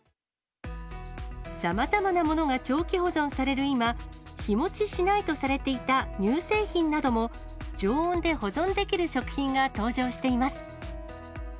さまざまなものが長期保存される今、日持ちしないとされていた乳製品なども、常温で保存できる食品が登場しています。